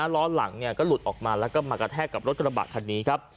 ล้อหลังก็หลุดออกมาแล้วก็มากระแทกกับรถกระบะคันนี้ครับ